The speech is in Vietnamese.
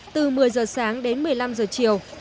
từ một mươi giờ sáng đến một mươi năm giờ chiều